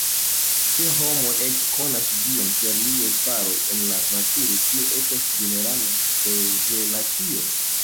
Se homo ekkonas Dion per liaj faroj en la naturo, tio estas "ĝenerala" revelacio.